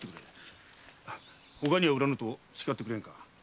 ほかには売らぬと誓ってくれぬか。